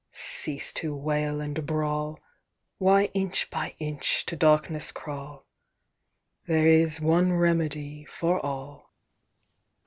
Cease to wail and brawl! Why inch by inch to darkness crawl? There is one remedy for all."